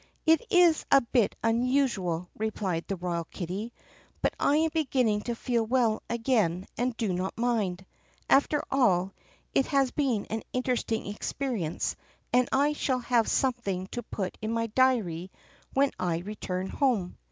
"It is a bit unusual," replied the royal kitty. "But I am beginning to feel well again and do not mind. After all, it has been an interesting experience and I shall have something to put in my diary when I return home."